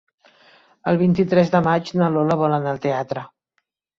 El vint-i-tres de maig na Lola vol anar al teatre.